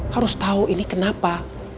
harus tahu ini kenapa